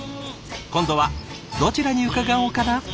今度はどちらに伺おうかな？